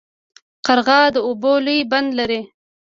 قرغه د اوبو لوی بند لري.